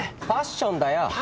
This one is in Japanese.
パッションだよ。